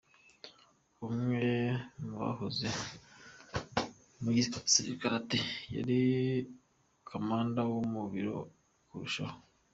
Umwe mu bahoze mu gisirikare ati: “Yari komanda wo mu biro kurushaho.